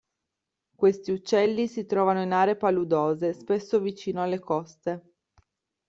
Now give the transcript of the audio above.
Questi uccelli si trovano in aree paludose, spesso vicino alle coste.